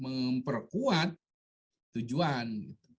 akhirnya memperkuat tujuan